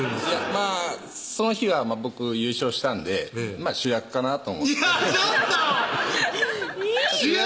まぁその日は僕優勝したんで主役かなと思っていやっちょっと！